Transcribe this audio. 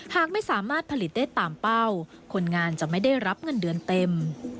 หากไม่สามารถผลิตได้ตามเป้าคนงานจะไม่ได้รับเงินเดือนเต็ม